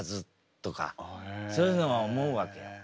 そういうのは思うわけよ。